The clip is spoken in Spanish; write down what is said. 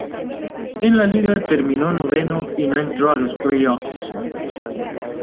En la liga terminó noveno y no entró a los play-offs.